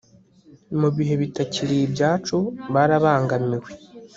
Mubihe bitakiri ibyacu barabangamiwe